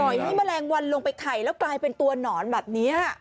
ให้แมลงวันลงไปไข่แล้วกลายเป็นตัวหนอนแบบนี้